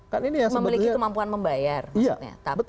memiliki kemampuan membayar tapi malah